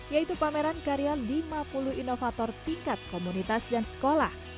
yaitu pameran karya lima puluh inovator tingkat komunitas dan sekolah